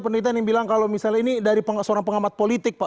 penelitian yang bilang kalau misalnya ini dari seorang pengamat politik pak